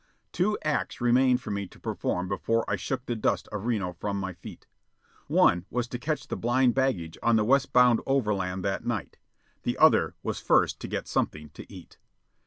Two acts remained for me to perform before I shook the dust of Reno from my feet. One was to catch the blind baggage on the westbound overland that night. The other was first to get something to eat.